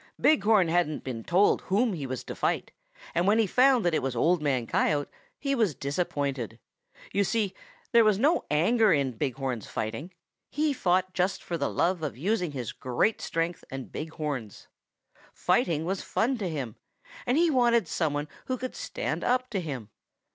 Big Horn hadn't been told whom he was to fight, and when he found that it was Old Man Coyote, he was disappointed. You see, there was no anger in Big Horn's fighting; he fought just for the love of using his great strength and big horns. Fighting was fun to him, and he wanted some one who would stand up to him.